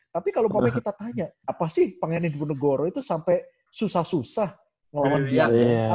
tapi kalau kita tanya apa sih pangan diponegoro itu sampai susah susah ngelawan belanda